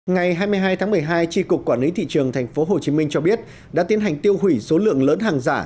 ngày hai mươi hai tháng một mươi hai tri cục quản lý thị trường tp hcm cho biết đã tiến hành tiêu hủy số lượng lớn hàng giả